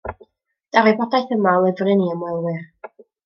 Daw'r wybodaeth yma o lyfryn i ymwelwyr.